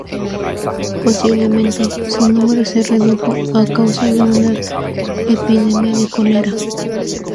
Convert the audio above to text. Posiblemente su número se redujo a causa de una epidemia de cólera.